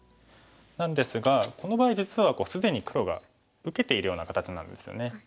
なんですがこの場合実は既に黒が受けているような形なんですよね。